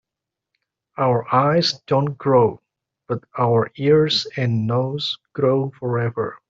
Our eyes don‘t grow, but our ears and nose grow forever.